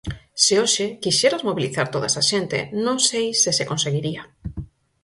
Se hoxe quixeras mobilizar toda esa xente, non sei se se conseguiría.